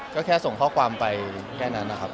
ก็แค่ส่งข้อความไปแค่นั้นนะครับ